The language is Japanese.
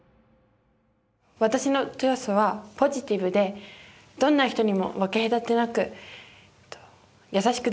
私の長所はポジティブでどんな人にも分け隔てなく優しくできるというところです。